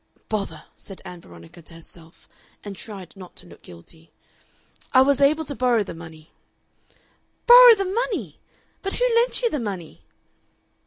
"Bother!" said Ann Veronica to herself, and tried not to look guilty. "I was able to borrow the money." "Borrow the money! But who lent you the money?"